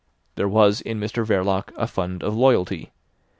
There was in Mr Verloc a fund of loyalty.